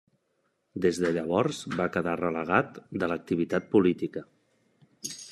Des de llavors va quedar relegat de l'activitat política.